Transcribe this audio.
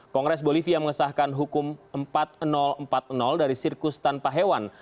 kongres bolivia mengesahkan hukum empat ribu empat puluh dari sirkus tanpa hewan